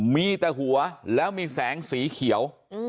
มีแต่หัวแล้วมีแสงสีเขียว